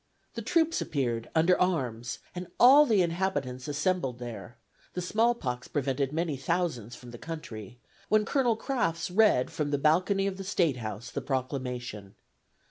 The troops appeared under arms, and all the inhabitants assembled there (the small pox prevented many thousands from the country), when Colonel Crafts read from the balcony of the State House the proclamation.